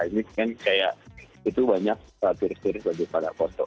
ini kan kayak itu banyak turis turis lagi pada kosong